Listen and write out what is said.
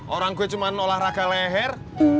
orang gue cuma olahraga leher